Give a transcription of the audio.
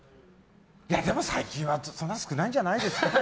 いや、でも最近はそんなのは少ないんじゃないですか。